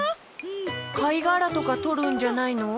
かいがらとかとるんじゃないの？